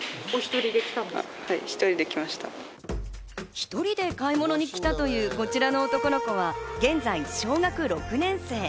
１人で買い物に来たというこちらの男の子は現在小学６年生。